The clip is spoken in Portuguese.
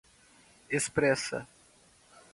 expressa